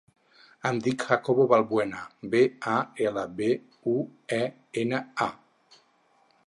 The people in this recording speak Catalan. Em dic Jacobo Balbuena: be, a, ela, be, u, e, ena, a.